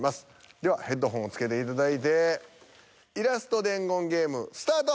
ではヘッドホンを着けていただいてイラスト伝言ゲームスタート。